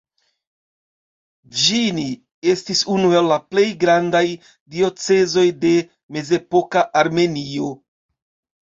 Bĵni estis unu el la plej grandaj diocezoj de mezepoka Armenio.